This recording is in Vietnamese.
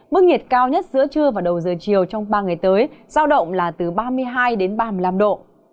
mức nhiệt cao nhất giữa trưa và đầu giờ chiều trong ba ngày tới giao động là từ ba mươi hai đến ba mươi năm độ